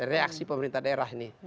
reaksi pemerintah daerah ini